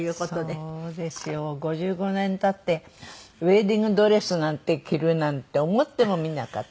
そうですよ。５５年経ってウェディングドレスなんて着るなんて思ってもみなかった。